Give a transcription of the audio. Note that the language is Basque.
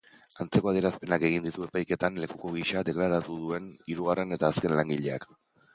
Antzeko adierazpenak egin ditu epaiketan lekuko gisa deklaratu duen hirugarren eta azken langileak.